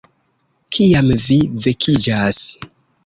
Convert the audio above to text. Kiam vi vekiĝas